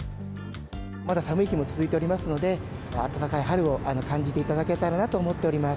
まだ寒い日も続いておりますので、暖かい春を感じていただけたらなと思っております。